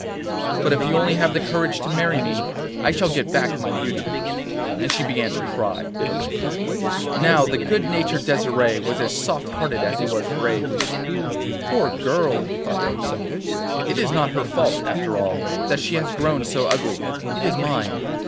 But if you only have the courage to marry me I shall get back my beauty.' And she began to cry bitterly. Now the good natured Desire was as soft hearted as he was brave. 'Poor girl,' he thought to himself. 'It is not her fault, after all, that she has grown so ugly, it is mine.